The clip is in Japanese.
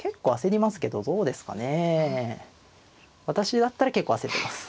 私だったら結構焦ってます。